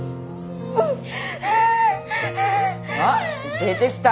あっ出てきた。